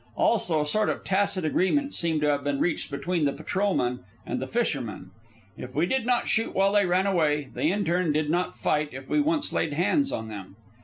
Also a sort of tacit agreement seemed to have been reached between the patrolmen and the fishermen. If we did not shoot while they ran away, they, in turn, did not fight if we once laid hands on them.